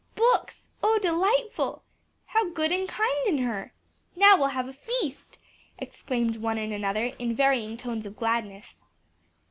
"Books! oh delightful!" "How good and kind in her!" "Now we'll have a feast!" exclaimed one and another in varying tones of gladness.